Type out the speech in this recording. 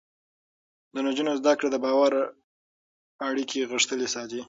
د نجونو زده کړه د باور اړیکې غښتلې ساتي.